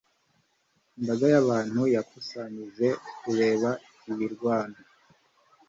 Imbaga y'abantu yakusanyije kureba imirwano.